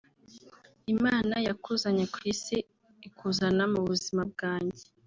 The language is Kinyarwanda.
Imana yakuzanye ku Isi ikuzana mu buzima bwanjye